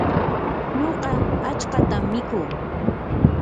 nuqa achkatam mikuu.